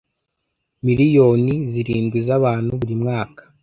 miliyoni zirindwi z’abantu buri mwaka